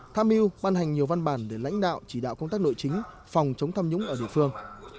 tham mưu ban hành nhiều văn bản để lãnh đạo chỉ đạo công tác nội chính phòng chống tham nhũng ở địa phương